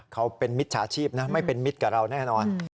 เขาเป็นมิจฉาชีพนะไม่เป็นมิตรกับเราแน่นอน